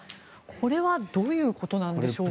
これはどういうことなんでしょう？